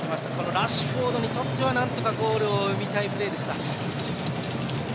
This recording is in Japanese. ラッシュフォードにとってはなんとかゴールを生みたいプレーでした。